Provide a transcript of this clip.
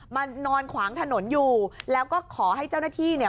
นอนขวางถนนอยู่แล้วก็ขอให้เจ้าหน้าที่เนี่ย